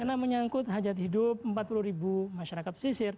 karena menyangkut hajat hidup empat puluh masyarakat pesisir